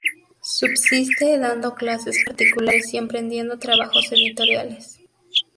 Subsiste dando clases particulares y emprendiendo trabajos editoriales.